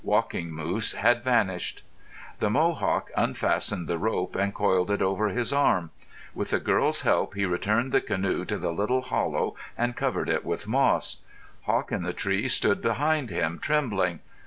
Walking Moose had vanished. The Mohawk unfastened the rope and coiled it over his arm. With the girl's help he returned the canoe to the little hollow and covered it with moss. Hawk in the Tree stood behind him, trembling.